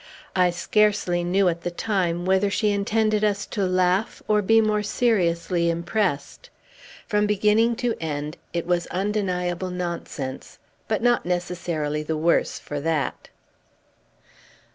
I scarcely knew, at the time, whether she intended us to laugh or be more seriously impressed. From beginning to end, it was undeniable nonsense, but not necessarily the worse for that.